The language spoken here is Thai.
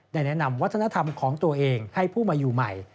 แนะนำวัฒนธรรมของตัวเองให้ผู้มาอยู่ใหม่